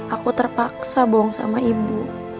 aku terpaksa bohong sama ibu